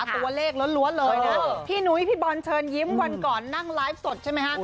ตัวเลขล้วนเลยนะพี่นุ้ยพี่บอลเชิญยิ้มวันก่อนนั่งไลฟ์สดใช่ไหมฮะ